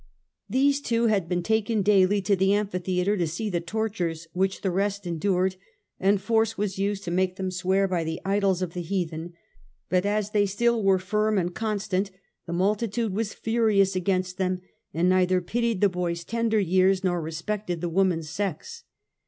' These two had been taken daily to the amphitheatre to see the tortures which the rest endured, and force was used to make them swear by the idols of the heathen ; but as they still were firm and constant, the multitude was furious against them, and neither pitied the bo/s tender years, nor respected the woman's sex.